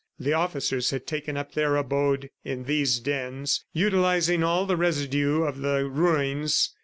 The officers had taken up their abode in these dens, utilizing all the residue of the ruins.